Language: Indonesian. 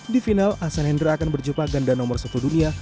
di final ahsan hendra akan berjumpa ganda nomor satu dunia